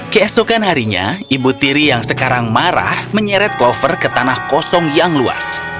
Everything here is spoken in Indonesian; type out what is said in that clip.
keesokan harinya ibu tiri yang sekarang marah menyeret clover ke tanah kosong yang luas